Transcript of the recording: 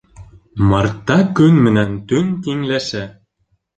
Мартта көн менән төн тиңләшә.